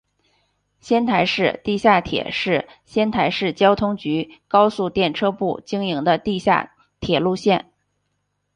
仙台市地下铁是由仙台市交通局高速电车部经营的地下铁路线。